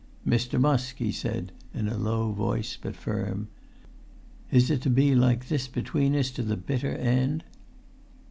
"Mr. Musk," he said, in a low voice but firm, "is it to be like this between us to the bitter end?"